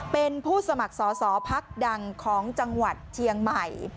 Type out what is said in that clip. เป็นผู้สมัครสอสอพักดังของจังหวัดเชียงใหม่